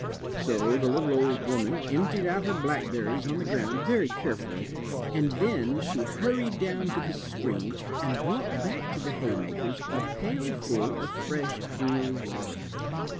So the little old woman emptied out her blackberries on the ground very carefully and then she hurried down to the stream and brought back to the haymakers a pailful of fresh cool water.